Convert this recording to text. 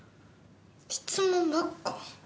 質問ばっか。